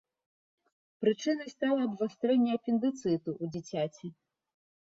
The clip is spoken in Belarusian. Прычынай стала абвастрэнне апендыцыту ў дзіцяці.